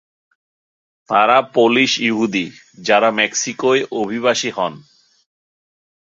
তাঁরা পোলিশ ইহুদি, যারা মেক্সিকোয় অভিবাসী হন।